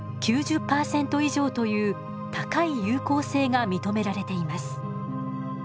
９０％以上という高い有効性が認められています。